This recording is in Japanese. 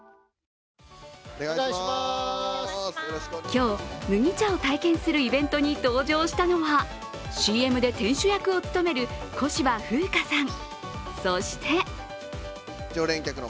今日、麦茶を体験するイベントに登場したのはＣＭで店主役を務める小芝風花さん。